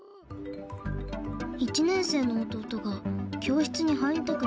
１年生の弟が教室に入りたくないって。